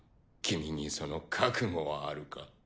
君にその覚悟はあるか？